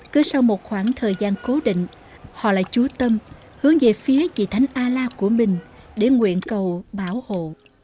cứ sau một khoảng thời gian cố định họ lại chú tâm hướng về phía chị thánh ala của mình để nguyện cầu bảo hộ